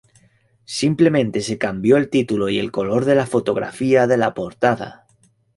Simplemente se cambió el título y el color de la fotografía de la portada.